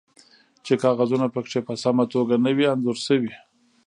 چې کاغذونه پکې په سمه توګه نه وي انځور شوي